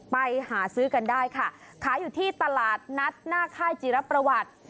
ไปหาซื้อกันได้ค่ะขายอยู่ที่ตลาดนัดหน้าค่ายจีรประวัติ